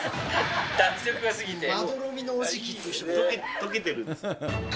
とけてるんですね。